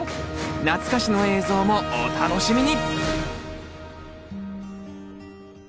懐かしの映像もお楽しみに！